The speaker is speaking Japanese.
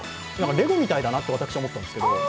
レゴみたいだなって、私は思ったんですけど。